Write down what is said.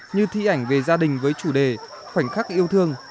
như thi ảnh về gia đình với chủ đề khoảnh khắc yêu thương